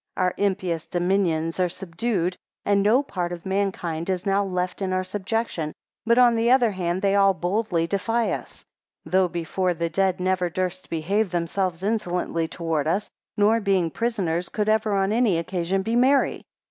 5 Our impious dominions are subdued, and no part of mankind is now left in our subjection, but on the other hand, they all boldly defy us; 6 Though, before, the dead never durst behave themselves insolently towards us, nor being prisoners, could ever on any occasion be merry.